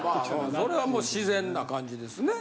それはもう自然な感じですね。